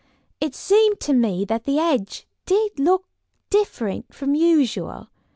It seemed to me that the hedge did look different from usual.